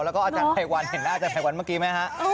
แล้วก็อาจารย์ไพรวันเห็นหน้าอาจารภัยวันเมื่อกี้ไหมฮะ